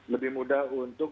lebih mudah untuk